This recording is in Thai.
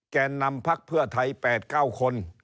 แก่นำพักเพื่อไทย๘๙คน